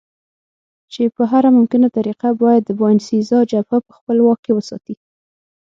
چې په هره ممکنه طریقه باید د باینسېزا جبهه په خپل واک کې وساتي.